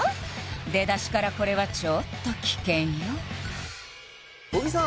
出だしからこれはちょっと危険よ小木さん